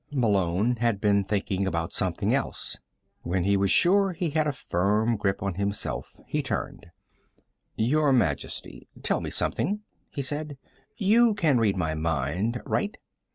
Malone had been thinking about something else. When he was sure he had a firm grip on himself he turned. "Your Majesty, tell me something," he said. "You can read my mind, right?"